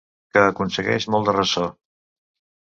Que aconsegueix molt de ressò.